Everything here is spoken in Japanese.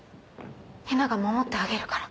ヒナが守ってあげるから。